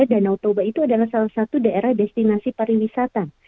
danau toba itu adalah salah satu daerah destinasi pariwisata